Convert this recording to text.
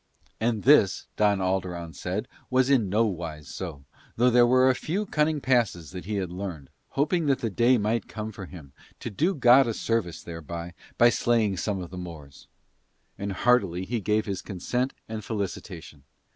And this Don Alderon said was in no wise so, though there were a few cunning passes that he had learned, hoping that the day might come for him to do God a service thereby by slaying some of the Moors: and heartily he gave his consent and felicitation.